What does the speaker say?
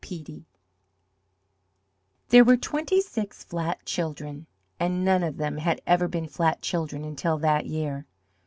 PEATTIE There were twenty six flat children, and none of them had ever been flat children until that year.